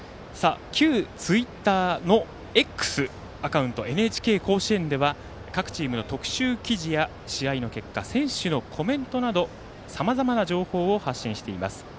旧ツイッターのＸアカウント「ＮＨＫ甲子園」では試合の結果、選手のコメントなどさまざまな情報を発信しています。